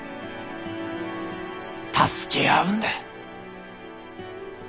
助け合うんだ！